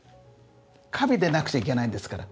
華美でなくちゃいけないんですから。